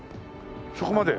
そこまで？